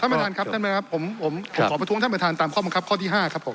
ประธานครับท่านไหมครับผมผมขอประท้วงท่านประธานตามข้อบังคับข้อที่๕ครับผม